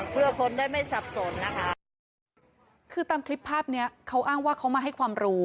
เพื่อคนได้ไม่สับสนนะคะคือตามคลิปภาพเนี้ยเขาอ้างว่าเขามาให้ความรู้